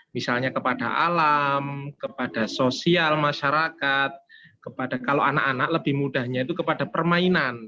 misalnya kepada alam kepada sosial masyarakat kepada kalau anak anak lebih mudahnya itu kepada permainan